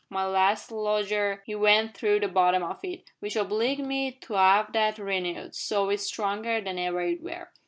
My last lodger 'ee went through the bottom of it, w'ich obliged me to 'ave that renoo'd, so it's stronger than ever it were.